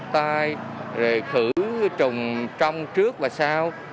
rửa tay khử trùng trong trước và sau